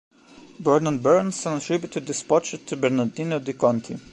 Bernard Berenson attributed this portrait to Bernardino de' Conti.